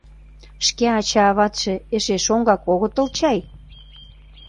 — Шке ача-аватше эше шоҥгак огытыл чай?